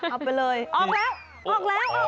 เอาไปเลยออกแล้วออกแล้วออกแล้ว